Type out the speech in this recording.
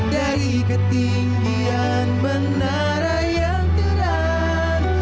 dari ketinggian menara yang tiram